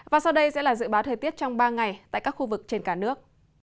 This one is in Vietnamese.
và sau đây sẽ là dự báo thời tiết trong ba ngày tại các khu vực trên cả nước